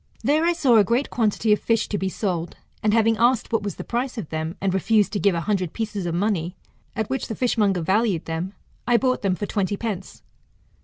There I saw a great quantity of fish to be sold, and having asked what was the price of them, and refused to give a hundred pieces of money, at which the fishmonger valued them, I bought them for twenty pence.